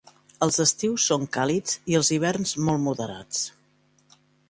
Els estius són càlids i els hiverns molt moderats.